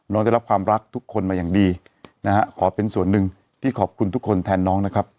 ได้รับความรักทุกคนมาอย่างดีนะฮะขอเป็นส่วนหนึ่งที่ขอบคุณทุกคนแทนน้องนะครับ